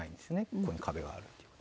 ここに壁があるっていう。